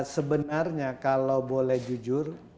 sebenarnya kalau boleh jujur